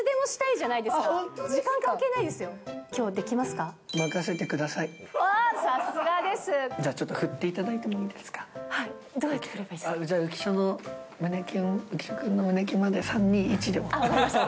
じゃあ、ちょっと振っていただいてもいいですか？